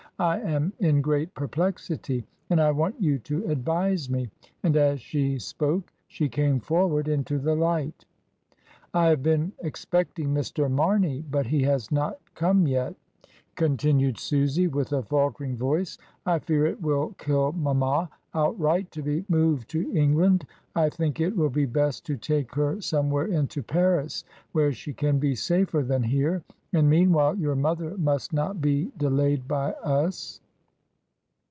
I am in great perplexity, and I want you to advise me," and as she spoke she came forward into the light "I have been ex pecting Mr. Mamey, but he has not come yet," con RED COMES INTO FASHION. 213 tinued Susy, with a faltering voice. "I fear it will kill mamma outright to be moved to England, I think it will be best to take her somewhere into Paris, where she can be safer than here; and meanwhile your mother must not be delayed by us."